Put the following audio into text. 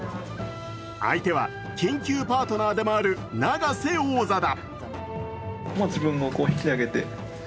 相手は研究パートナーでもある永瀬王座だ。